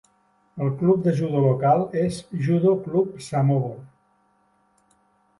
El club de judo local és Judo Klub Samobor.